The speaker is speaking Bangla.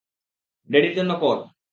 ড্যাডির জন্য কর।